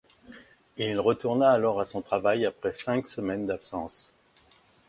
Il retourna alors à son travail après cinq semaines d'absence.